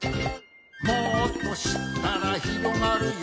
「もっとしったらひろがるよ」